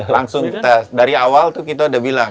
langsung dari awal tuh kita udah bilang